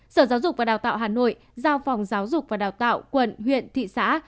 sở giáo dục và đào tạo hà nội giao phòng giáo dục và đào tạo quận huyện thị xã